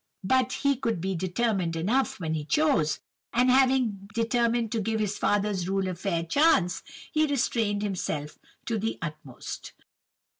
But he could be determined enough when he chose; and having determined to give his father's rule a fair chance, he restrained himself to the utmost.